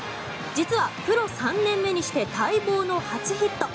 実は、プロ３年目にして待望の初ヒット。